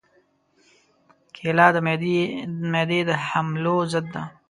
کېله د معدې د حملو ضد ده.